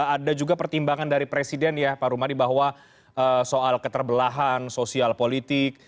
ada juga pertimbangan dari presiden ya pak rumadi bahwa soal keterbelahan sosial politik